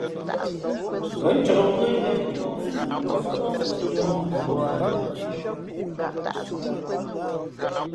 Ngα̌ ncāk mbʉ́ά ywēn póónzʉ̄ mfαʼ ndʉ̄ᾱŋwαni mēn a.